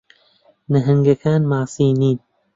نەھەنگەکان ماسی نین.